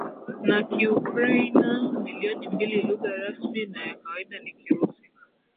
na Kiukraina milioni mbili Lugha rasmi na ya kawaida ni Kirusi